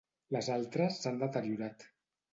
Les altres s'han deteriorat.